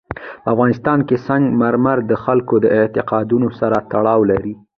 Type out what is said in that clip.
په افغانستان کې سنگ مرمر د خلکو د اعتقاداتو سره تړاو لري.